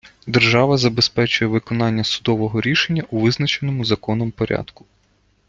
Держава забезпечує виконання судового рішення у визначеному законом порядку.